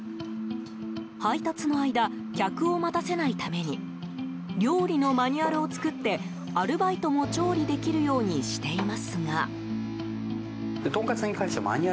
配達の間、客を待たせないために料理のマニュアルを作ってアルバイトも、調理できるようにしていますが。